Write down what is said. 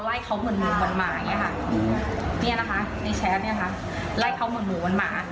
เพื่อเหมือนจะหลอกถามเจ้าของหอว่าเราอยู่ห้องหรือเปล่า